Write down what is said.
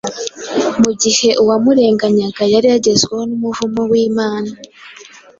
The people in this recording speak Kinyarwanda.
mu gihe uwamurenganyaga yari yagezweho n’umuvumo w’Imana.